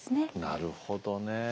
なるほどね。